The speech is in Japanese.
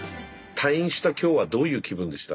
退院したきょうはどういう気分でした？